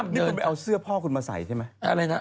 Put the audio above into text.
งู้นไปเอาเสื้อพ่อคุณมาใส่ใช่ไหม